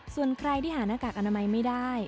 ส่วนใครที่หาหน้ากากอนามัยไม่ได้